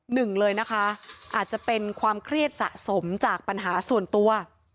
หนึ่งเลยนะคะอาจจะเป็นความเครียดสะสมจากปัญหาส่วนตัว